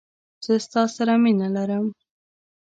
زه ستا سره مينه لرم.